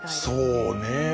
そうね。